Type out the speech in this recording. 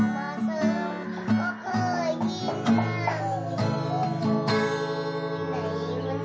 มองสุดใจให้กล้องหาในทีสันปี